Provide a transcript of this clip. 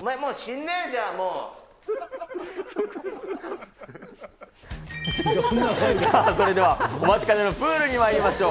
お前、もう知んねぇじゃさあ、それではお待ちかねのプールにまいりましょう。